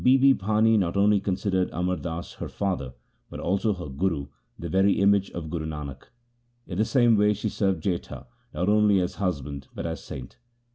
Bibi Bhani not only considered Amar Das her father, but also her Guru, the very image of Guru Nanak. In the same way she served Jetha not only as husband but as saint.